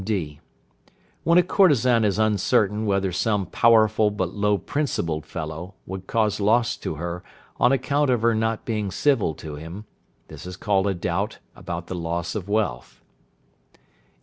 (d). When a courtesan is uncertain whether some powerful but low principled fellow would cause loss to her on account of her not being civil to him, this is called a doubt about the loss of wealth.